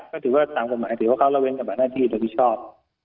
ก็ถือว่าตามกฎหมายถือว่าเขาละเว้นปฏิบัติหน้าที่โดยมิชอบ